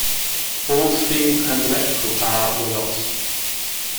All steam and electrical power were lost.